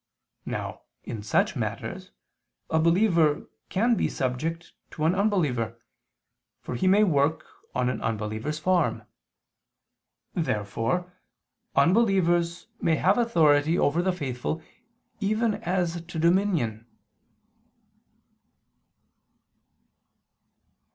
Now, in such matters, a believer can be subject to an unbeliever, for he may work on an unbeliever's farm. Therefore unbelievers may have authority over the faithful even as to dominion.